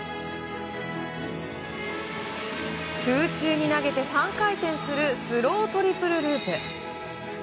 空中に投げて３回転するスロートリプルループ。